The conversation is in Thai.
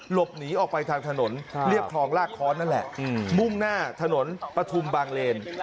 หลบหนีออกไปทางถนนเรียบคลองลากค้อนนั่นแหละมุ่งหน้าถนนปฐุมบางเลน